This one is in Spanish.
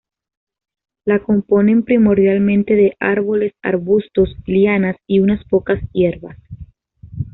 La componen primordialmente de árboles, arbustos, lianas, y unas pocas hierbas.